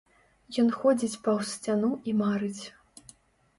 Ён ходзіць паўз сцяну і марыць.